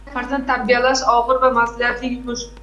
Farzand tarbiyalash – og‘ir va mas’uliyatli yumush.